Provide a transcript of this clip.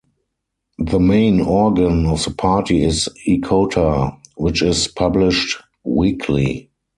The main organ of the party is "Ekota", which is published weekly.